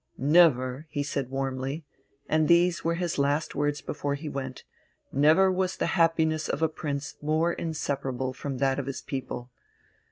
"Never," he said warmly, and these were his last words before he went, "never was the happiness of a prince more inseparable from that of his people.